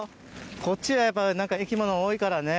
こっちはやっぱ何か生き物多いからね